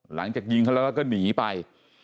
หลังจากยิงเขาแล้วแล้วก็หนีไป